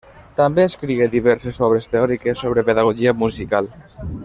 També escrigué diverses obres teòriques sobre pedagogia musical.